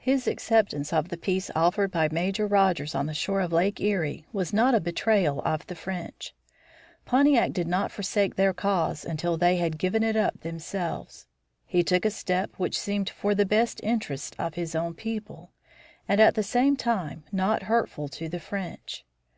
His acceptance of the peace offered by Major Rogers on the shore of Lake Erie was not a betrayal of the French. Pontiac did not forsake their cause until they had given it up themselves. He took a step which seemed for the best interests of his own people, and, at the same time, not hurtful to the French.